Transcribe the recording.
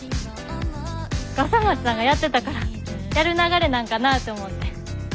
笠松さんがやってたからやる流れなんかなって思って。